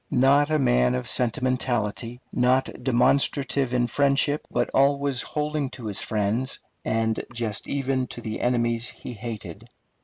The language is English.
Not a man of sentimentality, not demonstrative in friendship, but always holding to his friends, and just even to the enemies he hated.